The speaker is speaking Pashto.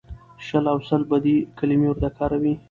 شل او سل بدې کلمې ورته کاروي.